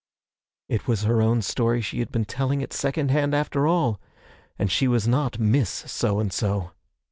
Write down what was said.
It was her own story she had been telling at second hand after all and she was not Miss So and so!